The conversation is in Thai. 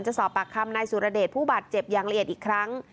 จะสอบปากคำนายสุรเดชผู้บาดเจ็บอย่างละเอียดอีกครั้ง